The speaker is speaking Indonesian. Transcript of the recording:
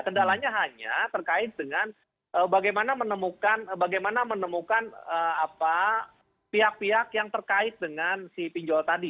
kendalanya hanya terkait dengan bagaimana menemukan pihak pihak yang terkait dengan si pinjol tadi